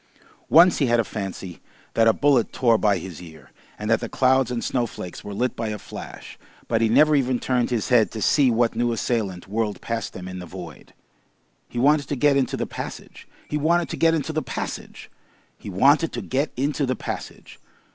Once he had a fancy that a bullet tore by his ear, and that the clouds and snowflakes were lit by a flash, but he never even turned his head to see what new assailant whirled past them in the void. He wanted to get into the passage! He wanted to get into the passage! He wanted to get into the passage!